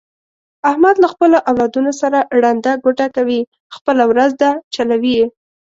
احمد له خپلو اولادونو سره ړنده ګوډه کوي، خپله ورځ ده چلوي یې.